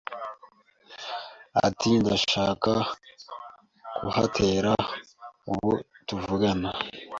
Ati “Ndashaka kuhatera ubu tuvugana”.